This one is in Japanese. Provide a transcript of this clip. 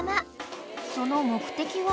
［その目的は？］